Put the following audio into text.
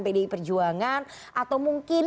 pdi perjuangan atau mungkin